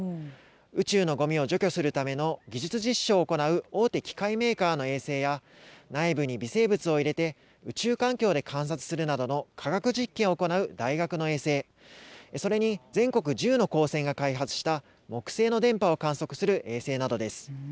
宇宙のごみを除去するための技術実証を行う大手機械メーカーの衛星や、内部に微生物を入れて、宇宙環境で観察するなどの科学実験を行う大学の衛星、それに全国１０の高専が開発した木星の電波を観測する衛星などです。